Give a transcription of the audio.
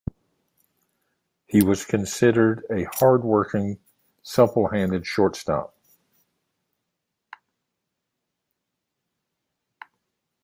He was considered a hard-working, supple-handed shortstop.